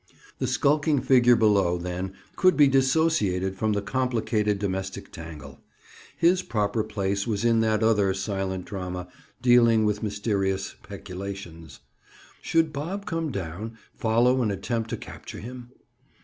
The skulking figure below, then, could be dissociated from the complicated domestic tangle; his proper place was in that other silent drama, dealing with mysterious peculations. Should Bob climb down, follow and attempt to capture him?